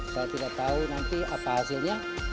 saya tidak tahu nanti apa hasilnya